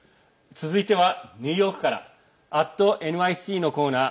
続いてはニューヨークから「＠ｎｙｃ」のコーナー。